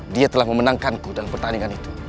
dia telah memenangkanku dalam pertandingan itu